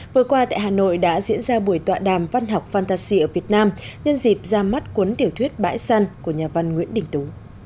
vừa qua tại hà nội đã diễn ra buổi tọa đàm văn học fantasy ở việt nam nhân dịp ra mắt cuốn tiểu thuyết bãi săn của nhà văn nguyễn đình tú